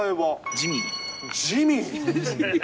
ジミー。